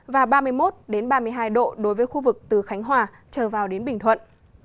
và ba mươi một ba mươi hai độ đối với khu vực từ khánh hòa trở vào đến bình thuận